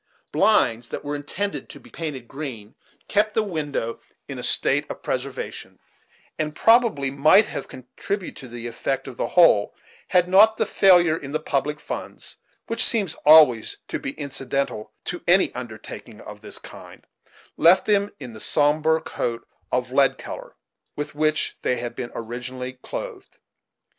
Blinds, that were intended to be painted green, kept the window in a state of preservation, and probably might have contributed to the effect of the whole, had not the failure in the public funds, which seems always to be incidental to any undertaking of this kind, left them in the sombre coat of lead color with which they had been originally clothed.